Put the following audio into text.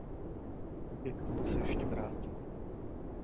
Také k tomu se ještě vrátím.